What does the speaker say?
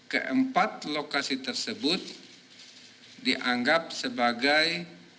keempat lokasi tersebut dianggap sebagai